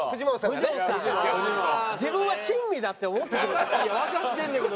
藤本さん。いやわかってんねんけど。